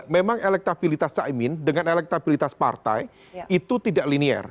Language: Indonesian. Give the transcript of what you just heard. memang elektabilitas caimin dengan elektabilitas partai itu tidak linier